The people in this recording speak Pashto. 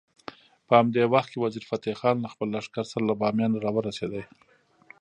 په همدې وخت کې وزیر فتح خان له خپل لښکر سره له بامیانو راورسېد.